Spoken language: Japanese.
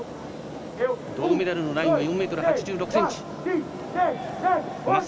銅メダルのラインは４ｍ８６ｃｍ。